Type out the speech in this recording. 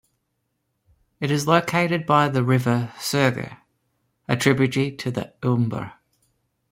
It is located by the river Segre, a tributary to the Ebre.